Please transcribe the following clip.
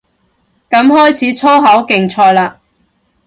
噉開始粗口競賽嘞